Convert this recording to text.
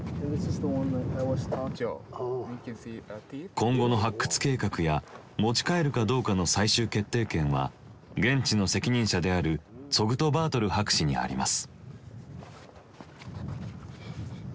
今後の発掘計画や持ち帰るかどうかの最終決定権は現地の責任者であるツォグトバートル博士にあります。